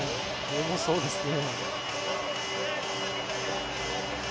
重そうですね。